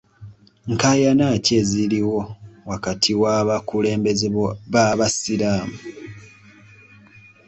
Nkaayana ki eziriwo wakati w'abakulembeze b'abasiraamu?